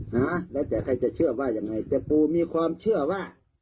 นะแล้วแต่ใครจะเชื่อว่ายังไงแต่ปูมีความเชื่อว่า